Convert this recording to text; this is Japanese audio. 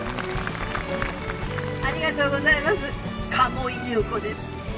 ありがとうございます鴨井ゆう子です。